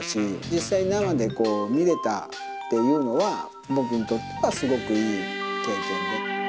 実際、生で見れたっていうのは、僕にとってはすごくいい経験で。